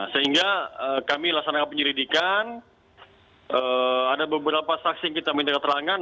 sehingga kami laksanakan penyelidikan ada beberapa saksi yang kita minta keterangan